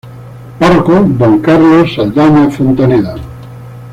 Párroco: D. Carlos Saldaña Fontaneda.